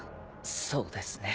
そうですね